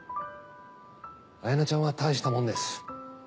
彩名ちゃんは大したもんです。